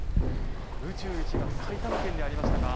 宇宙一が埼玉県にありましたか。